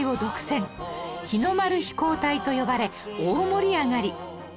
日の丸飛行隊と呼ばれ大盛り上がり